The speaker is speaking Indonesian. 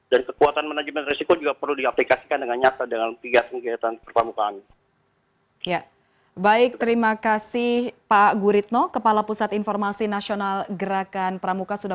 dan kekuatan manajemen risiko juga perlu diaplikasikan dengan nyata dengan pihak kegiatan pramuka